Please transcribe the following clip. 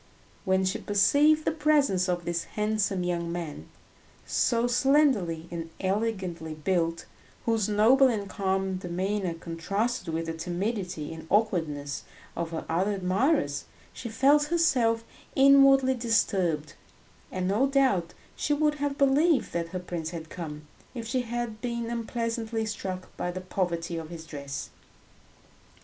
When she perceived the presence of this handsome young man, so slenderly and elegantly built, whose noble and calm demeanour contrasted with the timidity and awkwardness of her other admirers, she felt herself inwardly disturbed, and no doubt she would have believed that her prince had come, if she had been unpleasantly struck by the poverty of his dress.